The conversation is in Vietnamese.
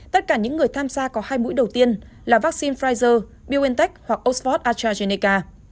tất cả những người tham gia có hai mũi đầu tiên là vaccine pfizer biontech hoặc oxford astrazeneca